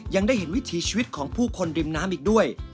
ยังได้เห็นวิถีชีวิตของผู้คนริมน้ำอีกด้วย